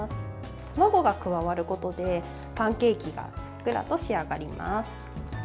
卵が加わることで、パンケーキがふっくらと仕上がります。